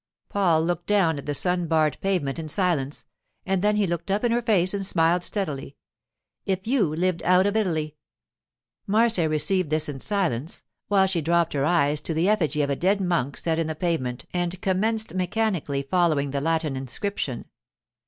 Paul looked down at the sun barred pavement in silence, and then he looked up in her face and smiled steadily. 'If you lived out of Italy.' Marcia received this in silence, while she dropped her eyes to the effigy of a dead monk set in the pavement and commenced mechanically following the Latin inscription.